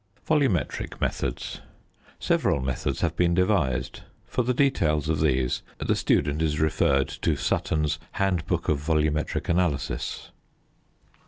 VOLUMETRIC METHODS. Several methods have been devised: for the details of these the student is referred to Sutton's "Handbook of Volumetric Analysis."